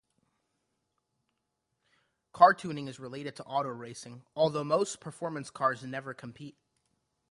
Car tuning is related to auto racing, although most performance cars never compete.